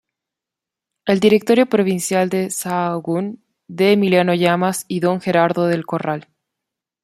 El Directorio provincial: De Sahagún D. Emiliano Llamas y don Gerardo del Corral.